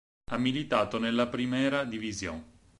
Ha militato nella Primera Divisió.